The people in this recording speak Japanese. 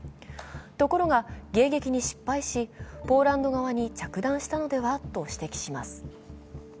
ところが迎撃に失敗し、ポーランド側に着弾したのではと指摘します。